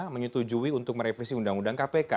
setujui untuk merevisi ruu kpk